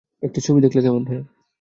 একটা ছবি দেখলে কেমন হয়?